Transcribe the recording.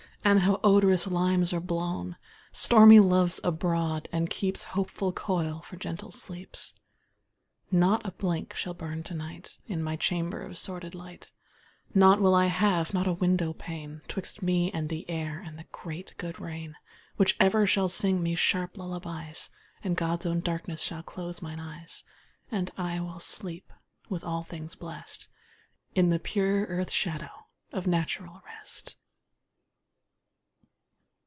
And how the odorous limes are blown! Stormy Love's abroad, and keeps Hopeful coil for gentle sleeps. Not a blink shall burn to night In my chamber, of sordid light; Nought will I have, not a window pane, 'Twixt me and the air and the great good rain, Which ever shall sing me sharp lullabies; And God's own darkness shall close mine eyes; And I will sleep, with all things blest, In the pure earth shadow of natural rest.